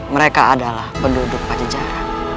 mereka adalah penduduk pajajaran